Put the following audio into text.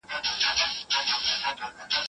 لویه جرګه کله له ستونزو سره مخ کېږي؟